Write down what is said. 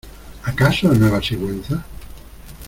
¿ acaso a Nueva Sigüenza?